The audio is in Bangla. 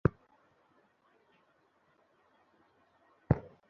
পরে বাসা থেকে বের হয়ে রক্তমাখা কাপড়চোপড় একটি খালে ফেলে দেন।